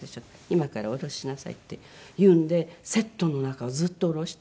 「今から下ろしなさい」って言うんでセットの中ずっと下ろして。